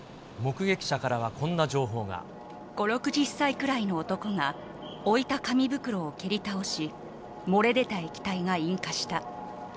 ５、６０歳くらいの男が置いた紙袋を蹴り倒し、漏れ出た液体が引火した。